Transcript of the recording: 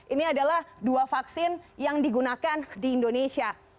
ini adalah dua vaksin yang digunakan di indonesia